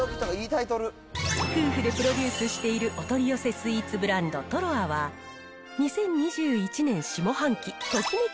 夫婦でプロデュースしているお取り寄せスイーツブランド、トロアは２０２１年下半期、ときめく！